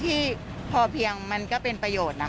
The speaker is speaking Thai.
แต่ว่าถ้ามุมมองในทางการรักษาก็ดีค่ะ